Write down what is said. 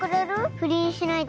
不倫しないって。